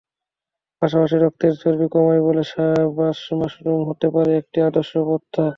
পাশাপাশি রক্তের চর্বি কমায় বলে মাশরুম হতে পারে একটি আদর্শ পথ্য।